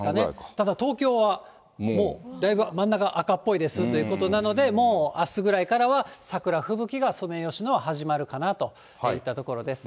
ただ、東京はもうだいぶ真ん中、赤っぽいですということなので、もうあすぐらいからは、桜吹雪がソメイヨシノは始まるかなといったところです。